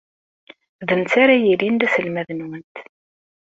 D netta ara yilin d aselmad-nwent.